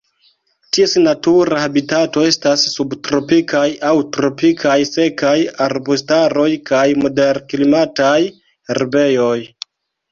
Ties natura habitato estas subtropikaj aŭ tropikaj sekaj arbustaroj kaj moderklimataj herbejoj.